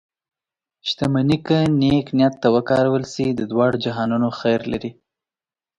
شتمني که نیک نیت ته وکارول شي، د دواړو جهانونو خیر لري.